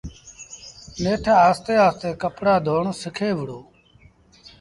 نيٺ آهستي آهستي ڪپڙآ ڌون سکي وُهڙو۔